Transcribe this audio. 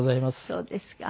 そうですか。